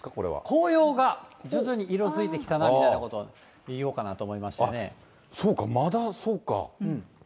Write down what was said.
紅葉が徐々に色づいてきたみたいなことを見ようかなと思いまそうか、まだそうか。